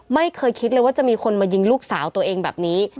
ไม่เคยคิดเลยว่าจะมีคนมายิงลูกสาวตัวเองแบบนี้